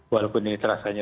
walaupun ini terasa